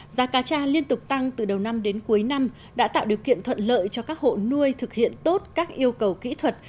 giá cá tra liên tục tăng từ đầu năm đến cuối năm đã tạo điều kiện thuận lợi cho các hộ nuôi thực hiện tốt các yêu cầu kỹ thuật